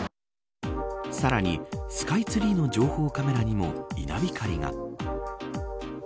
さらに、スカイツリーの情報カメラにも稲光が。